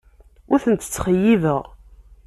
Ur tent-ttxeyyibeɣ.